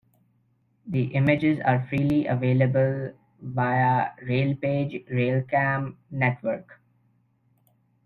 The images are freely available via Railpage Railcam Network.